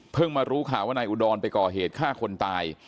มารู้ข่าวว่านายอุดรไปก่อเหตุฆ่าคนตาย